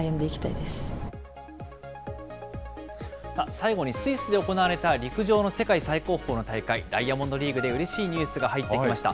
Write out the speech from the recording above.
最後にスイスで行われた陸上の世界最高峰の大会、ダイヤモンドリーグでうれしいニュースが入ってきました。